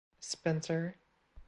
Spencer.